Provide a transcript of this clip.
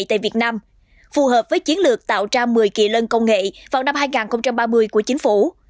tại việt nam phù hợp với chiến lược tạo ra một mươi kỳ lân công nghệ vào năm hai nghìn ba mươi của chính phủ